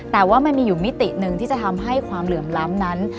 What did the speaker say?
แต่ว่ามันมีอยู่มิติหนึ่งที่จะทำให้ความเหลื่อมล้ำนั้น